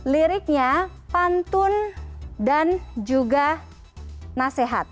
liriknya pantun dan juga nasihat